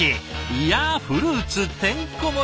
いやフルーツてんこ盛り！